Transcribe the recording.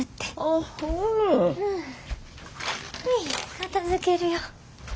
片づけるよ。